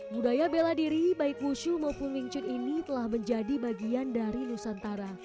budaya bela diri baik wushu maupun wing chun ini telah menjadi bagian dari nusantara